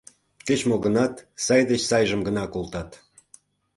— Кеч-мо гынат, сай деч сайжым гына колтат.